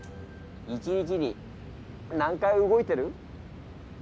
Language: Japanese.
一日に何回動いてる？